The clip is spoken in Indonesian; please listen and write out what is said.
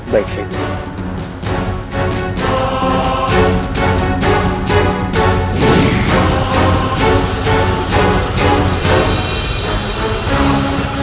baik syekh guru